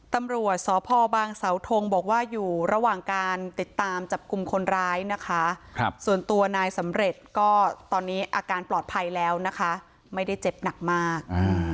ตำรวจสพบางเสาทงบอกว่าอยู่ระหว่างการติดตามจับกลุ่มคนร้ายนะคะส่วนตัวนายสำเร็จก็ตอนนี้อาการปลอดภัยแล้วนะคะไม่ได้เจ็บหนักมาก